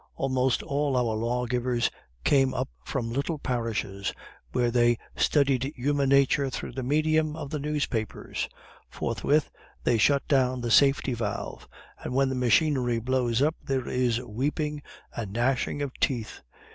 Almost all our lawgivers come up from little parishes where they studied human nature through the medium of the newspapers; forthwith they shut down the safety valve, and when the machinery blows up there is weeping and gnashing of teeth!